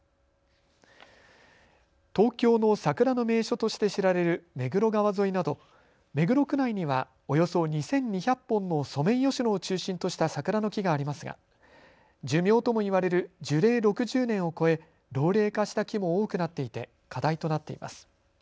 東京の桜の名所として知られる目黒川沿いなど目黒区内にはおよそ２２００本のソメイヨシノを中心とした桜の木がありますが寿命ともいわれる樹齢６０年を超え老齢化した木も多くなっていて課題となっています。